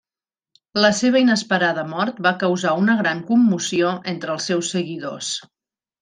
La seva inesperada mort va causar una gran commoció entre els seus seguidors.